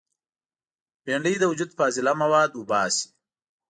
بېنډۍ د وجود فاضله مواد وباسي